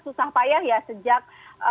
susah payah ya sejak